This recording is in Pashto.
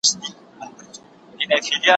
زه به سبا د سبا لپاره د درسونو يادوم؟!